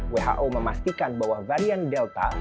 who memastikan bahwa varian delta